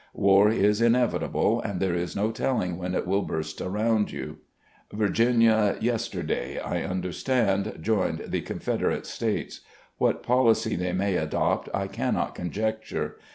War is inevitable, and there is no telling when it will burst around you. Virginia, yesterday, I understand, joined the Confederate States. What policy they may adopt I cannot conjecture.